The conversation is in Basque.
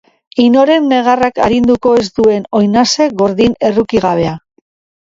Inoren negarrak arinduko ez duen oinaze gordin errukigabea.